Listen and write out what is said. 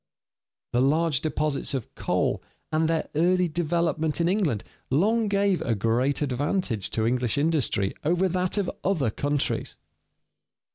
The large deposits of coal and their early development in England long gave a great advantage to English industry over that of other countries.